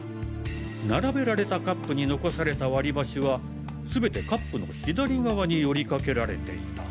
並べられたカップに残された割り箸は全てカップの左側によりかけられていた。